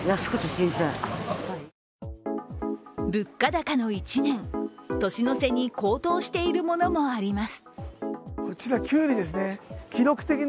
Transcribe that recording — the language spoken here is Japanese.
物価高の１年、年の瀬に高騰しているものもあります。